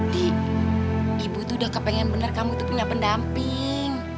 di ibu tuh udah kepengen bener kamu tuh punya pendamping